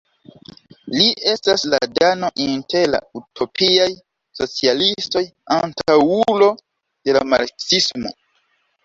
Li estas la Dano inter la “utopiaj socialistoj”, antaŭulo de la marksismo.